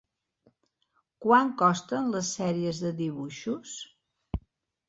Quant costen les sèries de dibuixos?